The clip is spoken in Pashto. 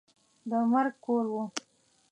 د مرګ کور وو.